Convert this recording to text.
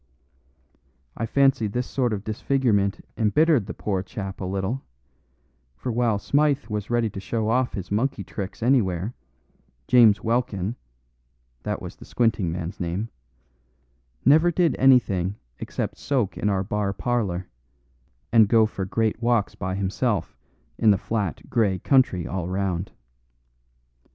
I fancy this sort of disfigurement embittered the poor chap a little; for while Smythe was ready to show off his monkey tricks anywhere, James Welkin (that was the squinting man's name) never did anything except soak in our bar parlour, and go for great walks by himself in the flat, grey country all round.